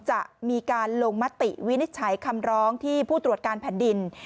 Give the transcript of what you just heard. จะมีการลงมติวินิจฉัยคำร้องที่ผู้ตรวจการแผ่นดิน